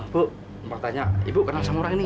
bu mau tanya ibu kenal sama orang ini